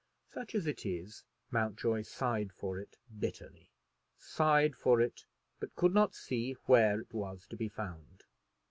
Such as it is, Mountjoy sighed for it bitterly, sighed for it, but could not see where it was to be found.